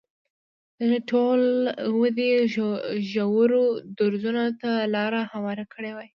دغې ډول ودې ژورو درزونو ته لار هواره کړې وای.